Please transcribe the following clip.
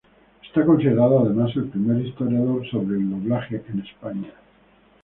Es considerado además el primer historiador sobre el doblaje en España.